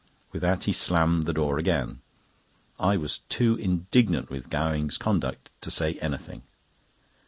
With that he slammed the door again. I was too indignant with Gowing's conduct to say anything.